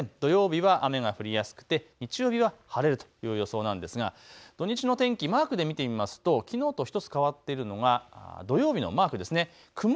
土曜日は雨が降りやすくて日曜日は晴れる予想なんですが土日の天気、マークで見てみますときのうとひとつ変わっているのが土曜日のマークですね。